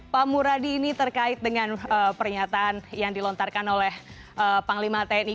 pak muradi ini terkait dengan pernyataan yang dilontarkan oleh panglima tni